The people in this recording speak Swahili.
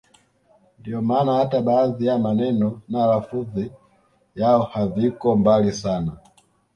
Ndio maana hata baadhi ya maneno na lafudhi yao haviko mbali sana